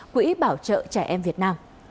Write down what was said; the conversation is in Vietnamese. quỹ bảo trợ trẻ em việt nam